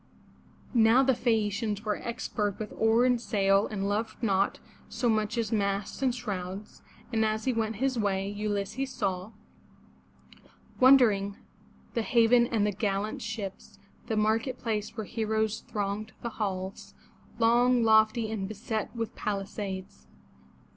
Now the Phae a' ci ans were expert with oar and sail and loved naught so much as masts and shrouds, and as he went his way, Ulysses saw — Wondering^ the haven and the gallant ships. The market place where heroes thronged the halls, Longy lofty, and beset with palisades.